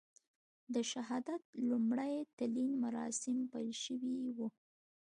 د شهادت لومړي تلین مراسیم پیل شوي و.